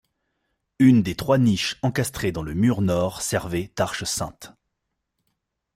Une des trois niches encastrées dans le mur nord servait d'arche sainte.